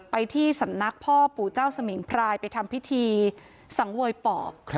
ไปที่สำนักพ่อปู่เจ้าสมิงพรายไปทำพิธีสังเวยปอบ